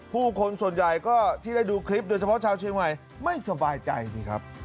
ผู้คนส่วนใหญ่ก็ที่ได้ดูคลิปโดยเฉพาะชาวเชียงใหม่ไม่สบายใจสิครับ